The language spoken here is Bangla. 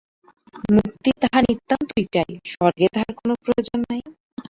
মুক্তি তাঁহার নিতান্তই চাই, স্বর্গে তাঁহার কোনো প্রয়োজন নাই।